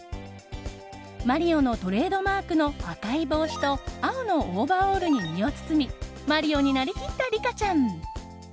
マリオのトレードマークの赤い帽子と青のオーバーオールに身を包みマリオになりきったリカちゃん。